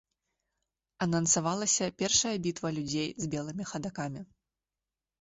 Анансавалася першая бітва людзей з белымі хадакамі.